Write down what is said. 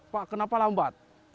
pak kenapa lambat